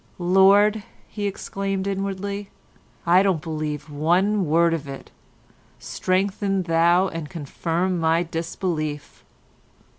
"Lord," he exclaimed inwardly, "I don't believe one word of it. Strengthen Thou and confirm my disbelief."